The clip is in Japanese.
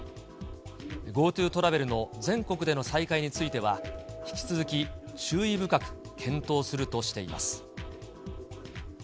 ＧｏＴｏトラベルの全国での再開については、引き続き注意深く検討するとしています。